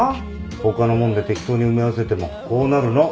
他のもんで適当に埋め合わせてもこうなるの。